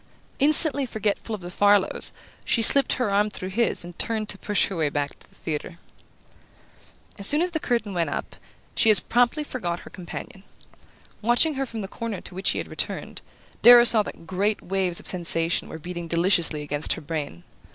Instantly forgetful of the Farlows, she slipped her arm through his and turned to push her way back to the theatre. As soon as the curtain went up she as promptly forgot her companion. Watching her from the corner to which he had returned, Darrow saw that great waves of sensation were beating deliciously against her brain.